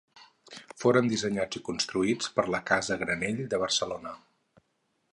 Foren dissenyats i construïts per la casa Granell, de Barcelona.